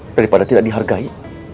daripada tidak dihargai